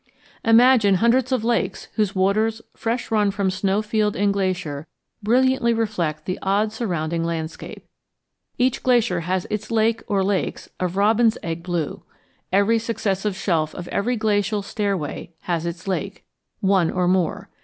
Imagine hundreds of lakes whose waters, fresh run from snow field and glacier, brilliantly reflect the odd surrounding landscape. Each glacier has its lake or lakes of robin's egg blue. Every successive shelf of every glacial stairway has its lake one or more.